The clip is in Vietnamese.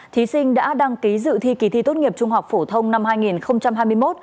thí sinh đã đăng ký dự thi kỳ thi tốt nghiệp trung học phổ thông năm hai nghìn hai mươi một